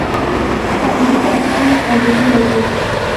شاعري د افغان نوم اورېدلی دی.